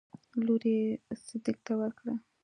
لور يې صدک ته ورکړه.